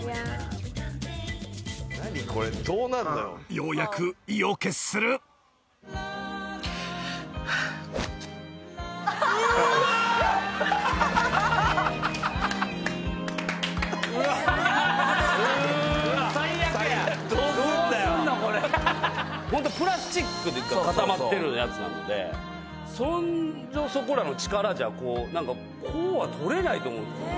ようやく意を決するホントプラスチックっていうか固まってるやつなのでそんじょそこらの力じゃこうこうは取れないと思うんですよ